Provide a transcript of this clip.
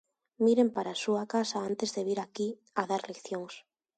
Miren para a súa casa antes de vir aquí a dar leccións.